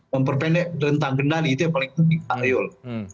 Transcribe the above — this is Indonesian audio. memperpendek rentang kendali itu yang paling penting pak riul